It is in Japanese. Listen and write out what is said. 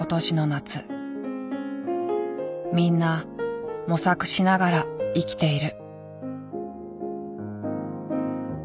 みんな模索しながら生きている。